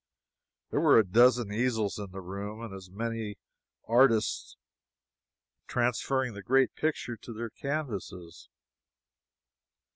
There were a dozen easels in the room, and as many artists transferring the great picture to their canvases.